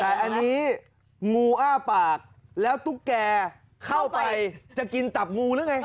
แต่อันนี้งูอ้าปากแล้วตุ๊กแกเข้าไปจะกินตับงูหรือไง